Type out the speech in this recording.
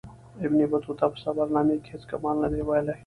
ابن بطوطه په سفرنامې کې هیڅ کمال نه دی ویلی.